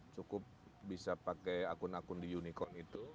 cukup bisa pakai akun akun di unicorn itu